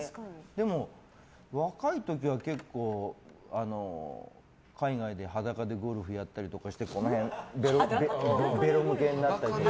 でも、若い時は結構海外で裸でゴルフやったりしてこの辺ベロむけになったりとか。